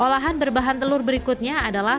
olahan berbahan telur berikutnya adalah